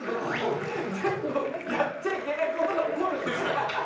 全部やっちゃいけない事が起こるんですよ。